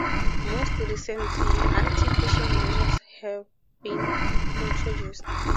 More recently, anti-phishing measures have been introduced.